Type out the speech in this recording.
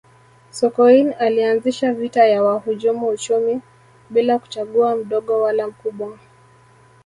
sokoine alianzisha vita ya wahujumu uchumi bila kuchagua mdogo wala mkubwa